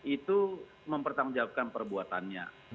itu mempertanggung jawabkan perbuatannya